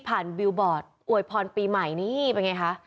บิลบอร์ดอวยพรปีใหม่นี่เป็นไงคะ